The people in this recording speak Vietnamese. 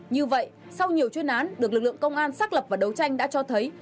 như vậy sau nhiều chuyên án được lực lượng công an xác lập và đấu tranh đã cho thấy